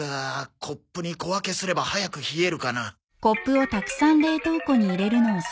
コップに小分けすれば早く冷えるかな？